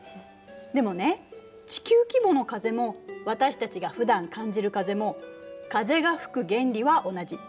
でもね地球規模の風も私たちがふだん感じる風も風が吹く原理は同じ。